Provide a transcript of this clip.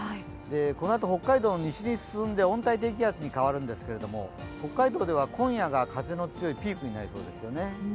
このあと北海道の西に進んで温帯低気圧に変わるんですけど北海道では今夜が風の強いピークになりそうですよね。